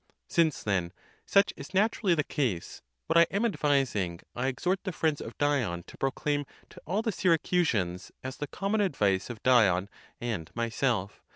Since then such is naturally the case, what I am advising, I exhort the friends of Dion to proclaim to all the Syracu sans, as the common advice of Dion and myself.